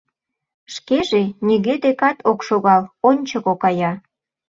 Шкеже нигӧ декат ок шогал, ончыко кая.